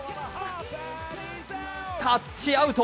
タッチアウト。